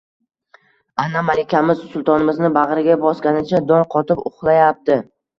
Ana, Malikamiz sultonimizni bag`riga bosganicha dong qotib uxlayapti